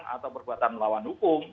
atau berkuatan melawan hukum